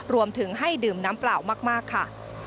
รวมถึงให้ดื่มน้ำเปล่ามากค่ะ